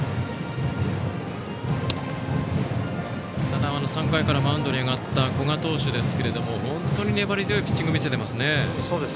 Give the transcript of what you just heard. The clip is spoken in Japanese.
ただ３回からマウンドに上がった古賀投手ですけども本当に粘り強いピッチングを見せていますね。